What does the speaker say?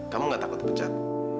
kamu nggak takut pecat